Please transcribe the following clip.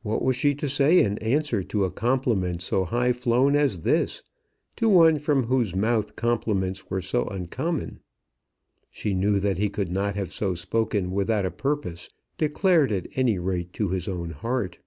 What was she to say in answer to a compliment so high flown as this, to one from whose mouth compliments were so uncommon? She knew that he could not have so spoken without a purpose, declared at any rate to his own heart.